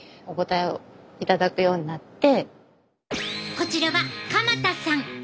こちらは鎌田さん。